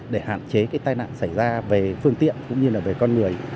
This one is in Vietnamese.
để hạn chế cái tai nạn xảy ra về phương tiện cũng như là về con người